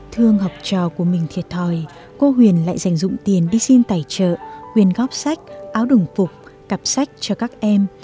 thương học trò của mình thiệt thòi cô huyền lại dành dụng tiền đi xin tài trợ huyền góp sách áo đồng phục cặp sách cho các em